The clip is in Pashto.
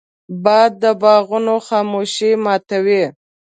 باد د باغونو خاموشي ماتوي